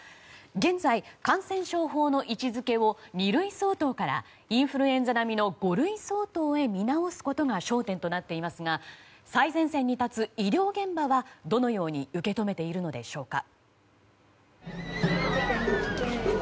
現在、感染症法の位置づけを二類相当からインフルエンザ並みの五類相当へ見直すことが焦点となっていますが最前線に立つ医療現場はどのように受け止めているのでしょうか。